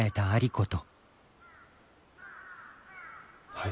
はい。